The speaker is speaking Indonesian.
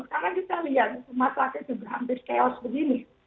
sekarang kita lihat rumah sakit ini hampir chaos begini